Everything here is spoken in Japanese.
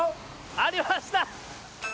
ありました。